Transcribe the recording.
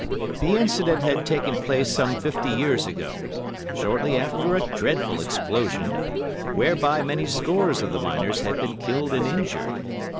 The incident had taken place some fifty years ago, shortly after a dreadful explosion, whereby many scores of the miners had been killed and injured.